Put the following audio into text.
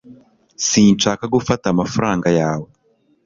Sinshaka gufata amafaranga yawe